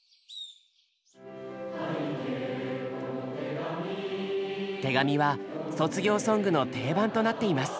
「拝啓この手紙」「手紙」は卒業ソングの定番となっています。